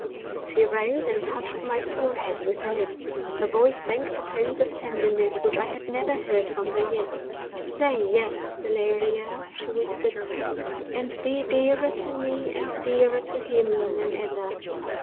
She rose and touched my forehead with her lips; her voice sank to tones of tenderness which I had never heard from her yet. "Say yes, Valeria," she whispered; "and be dearer to me and dearer to him than ever!"